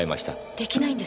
できないんですか？